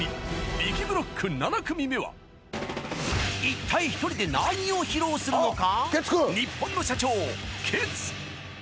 びきブロック７組目は一体１人で何を披露するのか？